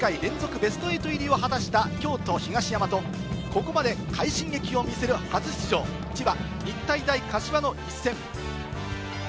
ベスト８入りを果たした京都・東山と、ここまで快進撃を見せる初出場、千葉・日体大柏の一戦。